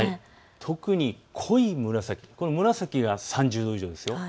特に濃い紫、紫が３０度以上です。